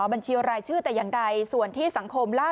บัญชีรายชื่อแต่อย่างใดส่วนที่สังคมล่า